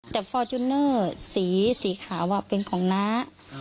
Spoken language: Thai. แต่ฟอร์จูเนอร์สีสีขาวเป็นของน้า